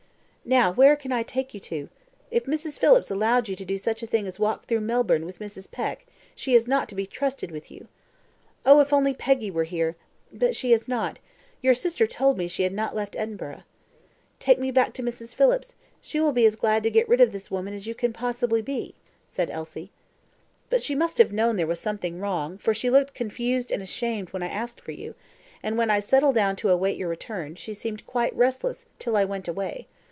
"Now where can I take you to? If Mrs. Phillips allowed you to do such a thing as walk through Melbourne with Mrs. Peck, she is not to be trusted with you. Oh, if Peggy were only here but she is not: your sister told me she had not left Edinburgh." "Take me back to Mrs. Phillips; she will be as glad to get rid of this woman as you can possibly be," said Elsie. "But she must have known there was something wrong, for she looked confused and ashamed when I asked for you, and when I settled down to wait till your return, she seemed quite restless till I went away.